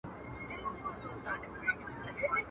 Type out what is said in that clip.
پیر مغان له ریاکاره سره نه جوړیږي !.